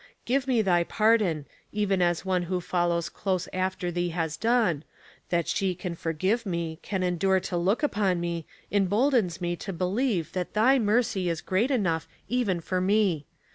Give me thy pardon, even as one who follows close after thee has done — that she can forgive me, can endure to look upon me, emboldens me to believe that thy mercy is great enough even for me.